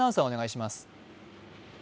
お願いします。